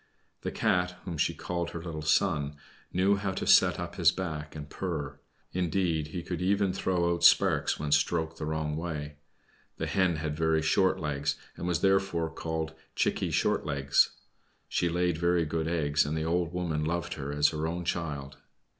The Cat, whom she called her little son, knew how to set up his back and purr; indeed, he could even throw out sparks when stroked the wrong way. The Hen had very short legs, and was therefore called "Chickie Short legs." She laid very good eggs, and the old woman loved her as her own child.